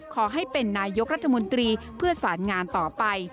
ขอให้เป็นนายกรัฐมนตรีเพื่อสารงานต่อไป